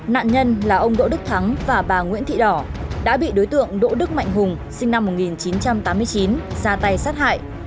nạn nhân là ông đỗ đức thắng và bà nguyễn thị đỏ đã bị đối tượng đỗ đức mạnh hùng sinh năm một nghìn chín trăm tám mươi chín ra tay sát hại